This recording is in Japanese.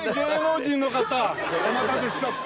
お待たせしちゃって。